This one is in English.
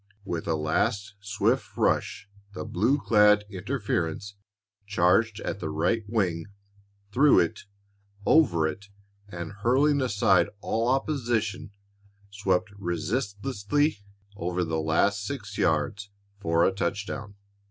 With a last swift rush the blue clad interference charged at the right wing, through it, over it, and, hurling aside all opposition, swept resistlessly over the last six yards for a touchdown.